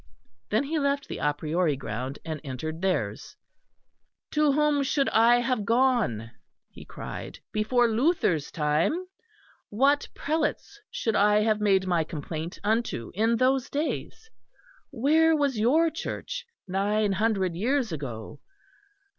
Then he left the a priori ground and entered theirs. "To whom should I have gone," he cried, "before Luther's time? What prelates should I have made my complaint unto in those days? Where was your Church nine hundred years ago?